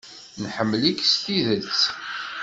Nḥemmel-ik s tidet.